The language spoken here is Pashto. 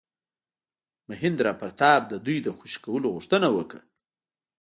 مهیندراپراتاپ د دوی د خوشي کولو غوښتنه وکړه.